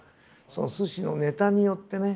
その寿司のネタによってね。